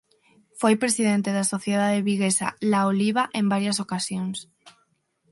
Foi presidente da sociedade viguesa La Oliva en varias ocasións.